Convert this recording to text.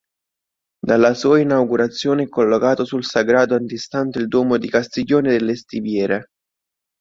Dalla sua inaugurazione è collocato sul sagrato antistante il Duomo di Castiglione delle Stiviere.